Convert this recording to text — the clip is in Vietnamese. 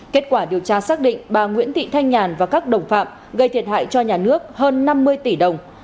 kết quả điều tra xác định bà nguyễn thị thanh nhàn và các đồng phạm gây thiệt hại cho nhà nước hơn năm mươi tỷ đồng